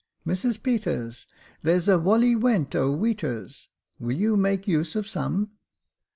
" Mrs Peters, there's a wolley nuent 0' iveaters. Will you make use of some